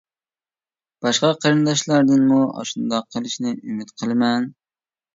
باشقا قېرىنداشلاردىنمۇ ئاشۇنداق قىلىشنى ئۈمىد قىلىمەن.